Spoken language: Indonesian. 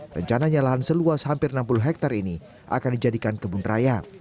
rencananya lahan seluas hampir enam puluh hektare ini akan dijadikan kebun raya